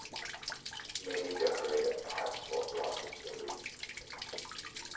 Many decorated parts were brought to the Louvre.